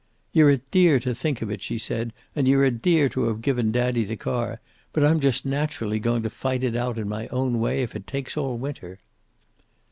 "You're a dear to think of it," she said, "and you're a dear to have given Daddy the car. But I'm just naturally going to fight it out in my own way if it takes all winter."